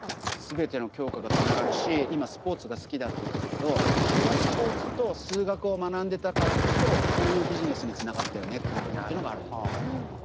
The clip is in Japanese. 全ての教科がつながるし今スポーツが好きだって言ってたけどこのスポーツと数学を学んでたからこそこういうビジネスにつながったよねっていうことってのがあると思いますね。